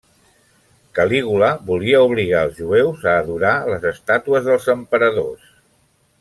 Calígula volia obligar els jueus a adorar les estàtues dels emperadors.